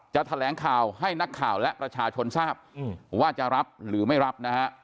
แถลงข่าวให้นักข่าวและประชาชนทราบว่าจะรับหรือไม่รับนะฮะ